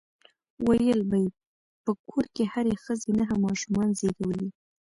ويل به يې په کور کې هرې ښځې نهه ماشومان زيږولي.